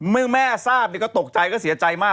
เมื่อแม่ทราบก็ตกใจก็เสียใจมาก